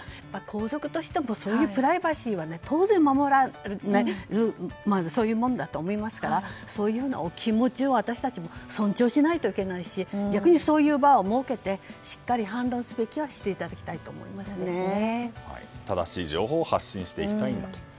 皇族としてもそういったプライバシーは守られるべきだと思いますからそういうお気持ちを私たちも尊重しないといけないし逆にそういう場を設けて反論すべきは正しい情報を発信していきたいんだと。